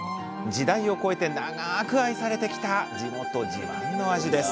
時代を超えて長く愛されてきた地元自慢の味です